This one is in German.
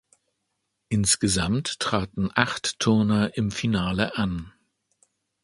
Insgesamt traten acht Turner im Finale an.